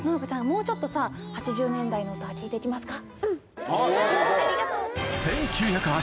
もうちょっとさ８０年代の歌聴いていきますか？